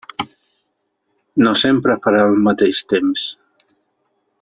No sempre farà el mateix temps.